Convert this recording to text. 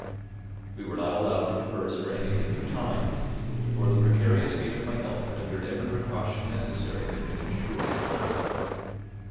We were not allowed to converse for any length of time, for the precarious state of my health rendered every precaution necessary that could ensure tranquillity.